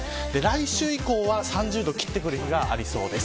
来週以降は３０度を切ってくる日があります。